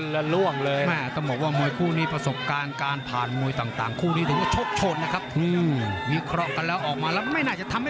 โปรวัตเตอร์วิธีมวยราชที่ทำได้ครับ